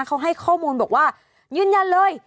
เขาให้ข้อมูลบอกว่ายืนยันเลย